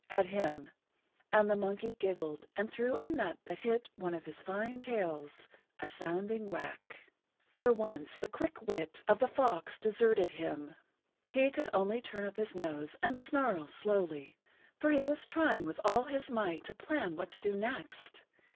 at him, and the monkey giggled and threw a nut that hit one of his fine tails a sounding whack. For once the quick wit of the fox deserted[Pg 82] him. He could only turn up his nose and snarl slowly, for he was trying with all his might to plan what to do next.